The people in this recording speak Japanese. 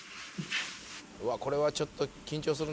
これはちょっと緊張するな。